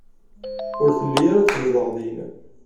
Ur telli ara tezdeɣ din.